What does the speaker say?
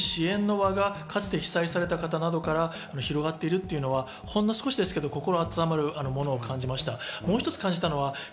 だけどその中でこういうふうに支援の輪がそして被災された方などから広がっているというのはほんの少しですけど、心あたたまるものを感じました。